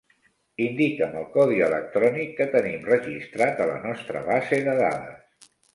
Indica'm el codi electrònic que tenim registrat a la nostra base de dades.